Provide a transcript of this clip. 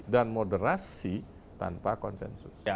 dan moderasi tanpa konsensus